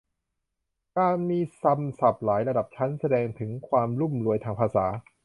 การมีคำศัพท์หลายระดับชั้น แสดงถึงความรุ่มรวยทางภาษา